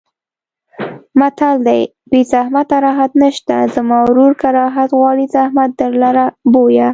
متل دی: بې زحمته راحت نشته زما وروره که راحت غواړې زحمت درلره بویه.